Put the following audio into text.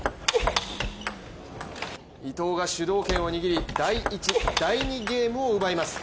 伊藤が主導権を握り第１、第２ゲームを奪います。